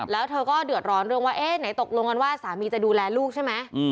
แล้วเธอก็เดือดร้อนเรื่องว่าเอ๊ะไหนตกลงกันว่าสามีจะดูแลลูกใช่ไหม